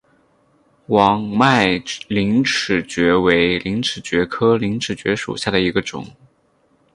网脉陵齿蕨为陵齿蕨科陵齿蕨属下的一个种。